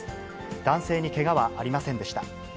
男性にけがはありませんでした。